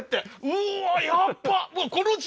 うわやっば！